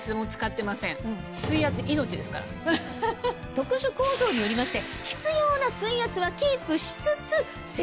特殊構造によりまして。